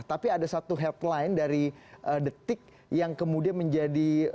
tapi ada satu headline dari detik yang kemudian menjadi